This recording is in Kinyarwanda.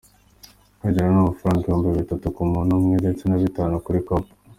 Kwinjira ni amafaranga ibihumbi bitatu ku muntu umwe ndetse na bitanu kuri couple.